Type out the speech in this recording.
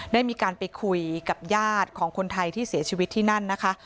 ได้มีการไปคุยกับญาติของคนไทยที่เสียชีวิตที่นั่นนะคะ